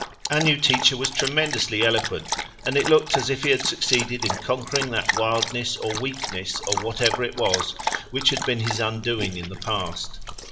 Our new teacher was tremendously eloquent, and it looked as if he had succeeded in conquering that wildness or weakness or whatever it was which had been his undoing in the past.